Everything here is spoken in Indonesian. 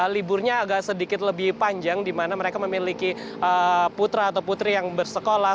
liburnya agak sedikit lebih panjang di mana mereka memiliki putra atau putri yang bersekolah